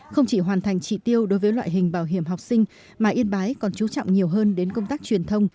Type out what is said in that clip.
không chỉ hoàn thành trị tiêu đối với loại hình bảo hiểm học sinh mà yên bái còn chú trọng nhiều hơn đến công tác truyền thông